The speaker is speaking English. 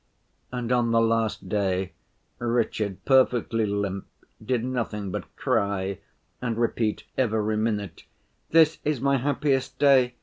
And on the last day, Richard, perfectly limp, did nothing but cry and repeat every minute: 'This is my happiest day.